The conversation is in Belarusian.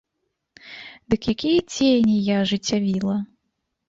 Дык якія дзеянні я ажыццявіла?